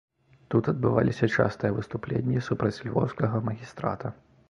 Тут адбываліся частыя выступленні супраць львоўскага магістрата.